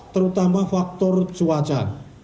terutama faktor cuaca